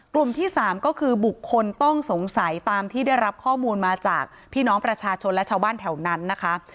กลุ่มที่๓ก็คือบุคคลต้องสงสัยตามที่ได้รับข้อมูลมาจากพี่น้องประชาชนและชาวบ้านแถวนั้นนะคะ